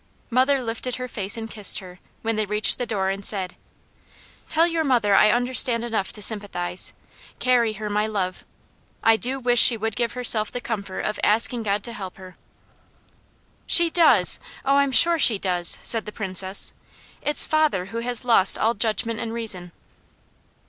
Mother lifted her face and kissed her, when they reached the door and said: "Tell your mother I understand enough to sympathize. Carry her my love. I do wish she would give herself the comfort of asking God to help her." "She does! Oh, I'm sure she does!" said the Princess. "It's father who has lost all judgment and reason."